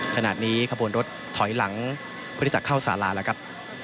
ขณะนี้ขบวนรถถอยหลังเพื่อที่จะเข้าสาราแล้วครับ